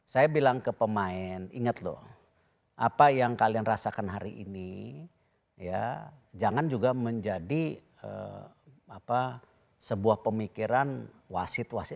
saya bilang ke pemain ingat loh apa yang kalian rasakan hari ini ya jangan juga menjadi sebuah pemikiran wasit wasit